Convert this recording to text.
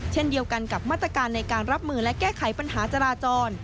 เช่นเดียวกันกับมาตรการในการรับมือและแก้ไขปัญหาจราจร